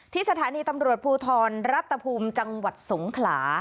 สถานีตำรวจภูทรรัฐภูมิจังหวัดสงขลา